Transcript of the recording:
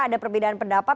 ada perbedaan pendapat